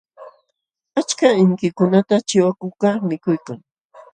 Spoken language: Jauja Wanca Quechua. Achka inkikunata chiwakukaq mikuykan.